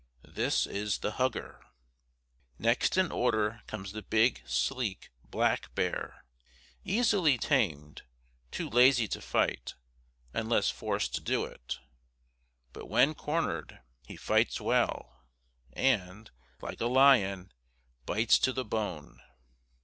This is the "hugger." Next in order comes the big, sleek, black bear; easily tamed, too lazy to fight, unless forced to it. But when "cornered" he fights well, and, like a lion, bites to the bone.